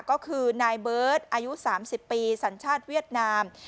ก็คือนายเบิร์ตอายุ๓๐ปีสัญชาติเวียดนาม